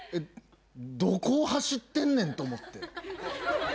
どこを走ってんねんと思って。